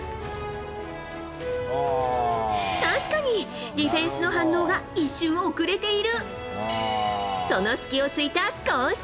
確かにディフェンスの反応が一瞬遅れている。